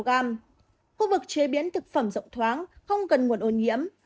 khu vực chế biến thực phẩm rộng thoáng không cần nguồn ô nhiễm